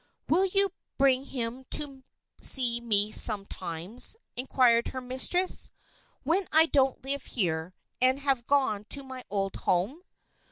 "Will you bring him to see me sometimes," inquired her mistress, "when I don't live here, and have gone to my old home?"